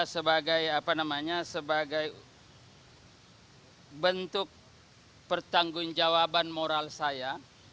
sebagai bentuk pertanggung jawaban moral saya